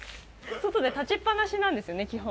外で立ちっぱなしなんですよね、基本。